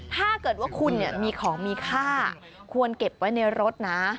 ถ้าเกิดว่าคุณมีของมีค่าควรเก็บไว้ในรถนะ